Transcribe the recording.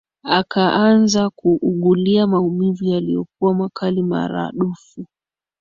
Akaanza kuugulia maumivu yaliyokuwa makali maradufu